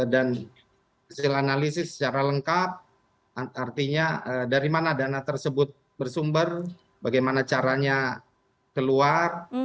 dan hasil analisis secara lengkap artinya dari mana dana tersebut bersumber bagaimana caranya keluar